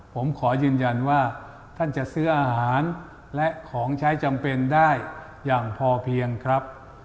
ผมขอยืนยันว่าท่านจะซื้ออาหารและของใช้จำเป็นได้อย่างพอเพียงครับ